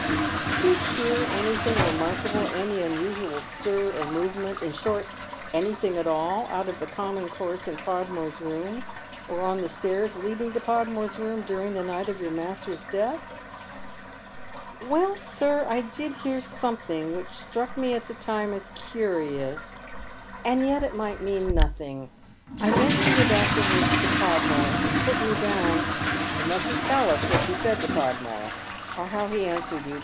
" Did you hear anything remarkable, any unusual stir or move ment, — in short, anjiihing at all out of the common course in Podmore's room or on the stairs leading to Podmore's room during the night of your master's death ?"" Well, sir, I did hear something which struck me at the time as curious, and yet it might mean nothing. I mentioned it after wards to Podmore, and he put me down "" You mustn't tell us what you said to Podmore, or how ho answered you.